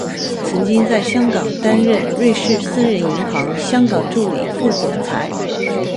曾经在香港担任瑞士私人银行香港助理副总裁。